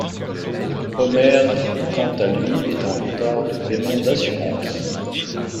Homer quant à lui est en retard de paiement d'assurance.